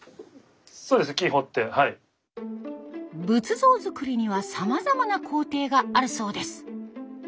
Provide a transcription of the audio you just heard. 仏像作りにはさまざまな工程があるそうです。